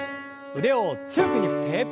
腕を強く上に振って。